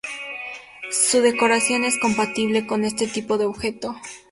Su decoración es compatible con este tipo de objeto.